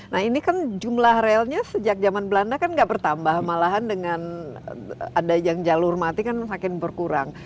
nah ini kan jumlah relnya sejak zaman belanda kan nggak bertambah malahan dengan ada yang jalur mati kan makin berkurang